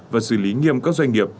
và xử lý nghiêm các doanh nghiệp